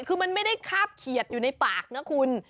คือมันไม่ได้คาบเขียดอยู่ในปากนะคุณ